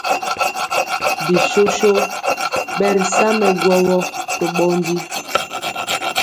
Bisoso ɓɛ ri sa mɛ gwɔwɔ to ɓɔndi.